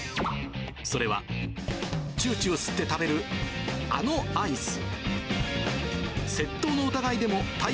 それは、ちゅうちゅう吸って食べるあのアイス。